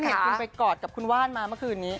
เห็นคุณไปกอดกับคุณว่านมาเมื่อคืนนี้